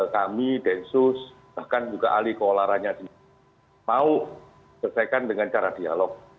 kami densus bahkan juga ahli kolaranya mau diselesaikan dengan cara dialog